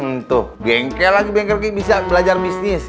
hmm tuh bengkel lagi bengkel kayak bisa belajar bisnis